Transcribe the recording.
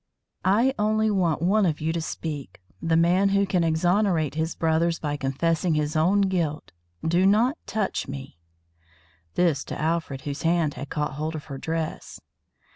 "I only want one of you to speak; the man who can exonerate his brothers by confessing his own guilt. Do not touch me!" This to Alfred, whose hand had caught hold of her dress.